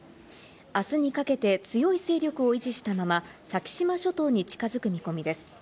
あすにかけて強い勢力を維持したまま先島諸島に近づく見込みです。